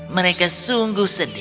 mereka sungguh sedih